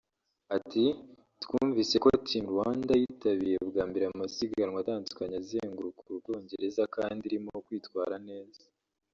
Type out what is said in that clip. Ati “Twumvise ko Team Rwanda yitabiriye bwa mbere amasiganwa atandukanye azenguruka u Bwongereza kandi irimo kwitwara neza